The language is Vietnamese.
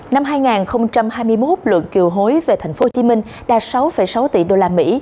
năm hai nghìn hai mươi một lượng kiều hối về thành phố hồ chí minh đạt sáu sáu tỷ usd